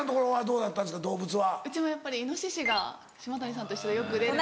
うちもやっぱりイノシシが島谷さんと一緒でよく出るので。